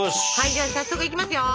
じゃあ早速いきますよ。